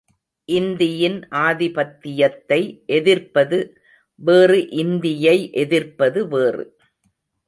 இந்தியின் ஆதிபத்தியத்தை எதிர்ப்பது வேறு இந்தியை எதிர்ப்பது வேறு.